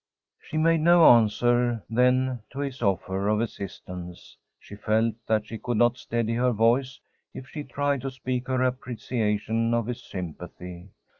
She made no answer then to his offer of assistance. She felt that she could not steady her voice if she tried to speak her appreciation of his sympathy.